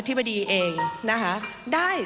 ถือว่าขึ้นปี๒๐๑๖